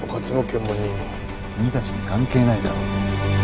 君たちに関係ないだろう。